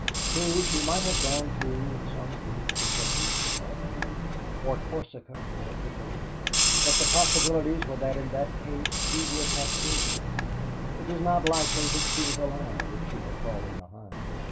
True, she might have gone through with some group which had reached Corfu or Corsica or Italy, but the probabilities were that in that case she would have cabled. It was not likely that she was alive if she had fallen behind.